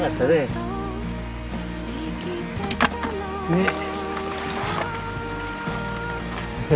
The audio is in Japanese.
ねっ。